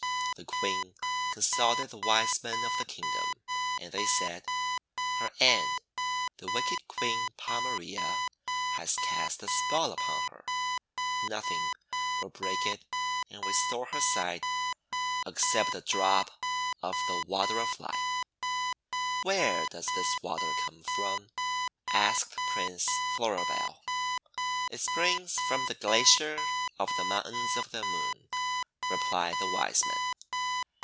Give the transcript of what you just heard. The Queen consulted the Wisemen of the Kingdom; and they said: — "Her aunt, the wicked Queen Pomarea, has cast a spell upon her. Nothing will break it and restore her sight except a Drop of the Water of Light." "WThere does this water come from?' asked Prince Floribel. "It springs from the Glacier of the Moun tains of the Moon," replied the Wisemen.